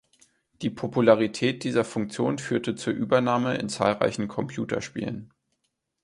Die Popularität dieser Funktion führte zur Übernahme in zahlreichen Computerspielen.